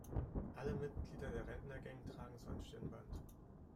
Alle Mitglieder der Rentnergang tragen so ein Stirnband.